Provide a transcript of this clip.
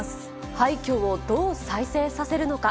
廃虚をどう再生させるのか。